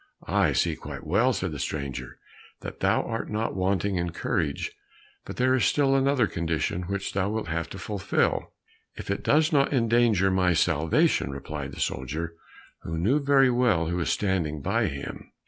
"I see quite well," said the stranger, "that thou art not wanting in courage, but there is still another condition which thou wilt have to fulfil." "If it does not endanger my salvation," replied the soldier, who knew very well who was standing by him.